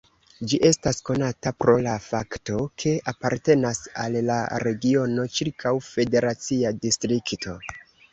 Ĝi estas konata pro la fakto, ke apartenas al la regiono ĉirkaŭ Federacia Distrikto.